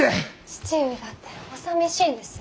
父上だっておさみしいんですよ。